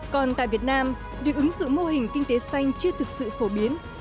còn tại việt nam việc ứng dụng mô hình kinh tế xanh chưa thực sự phổ biến